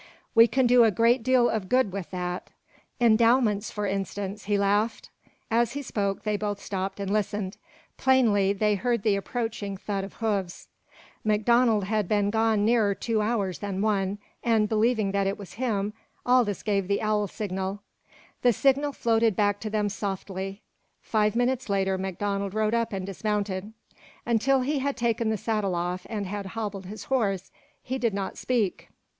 "We can do a great deal of good with that. Endowments, for instance," he laughed. As he spoke, they both stopped, and listened. Plainly they heard the approaching thud of hoofs. MacDonald had been gone nearer two hours than one, and believing that it was him, Aldous gave the owl signal. The signal floated back to them softly. Five minutes later MacDonald rode up and dismounted. Until he had taken the saddle off, and had hobbled his horse, he did not speak.